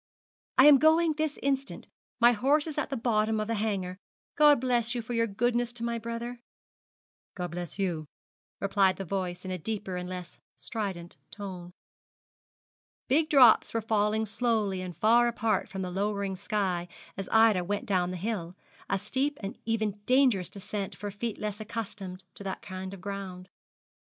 'I am going this instant, my horse is at the bottom of the Hanger. God bless you for your goodness to my brother.' 'God bless you,' replied the voice in a deeper and less strident tone. Big drops were falling slowly and far apart from the lowering sky as Ida went down the hill, a steep and even dangerous descent for feet less accustomed to that kind of ground.